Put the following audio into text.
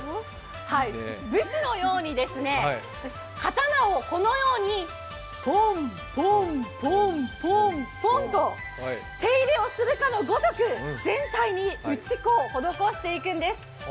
武士のように刀をこのようにぽんぽんぽんぽんと手入れをするかのごとく全体に打ち粉をほどこしていくんです。